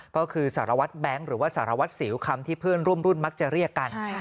ก็คือสารวัตรแบงค์หรือว่าสารวัตรสิวคำที่เพื่อนร่วมรุ่นมักจะเรียกกัน